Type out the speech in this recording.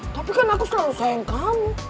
tapi kan aku selalu sayang kamu